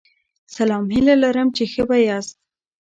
سلام هیله لرم چی ښه به یاست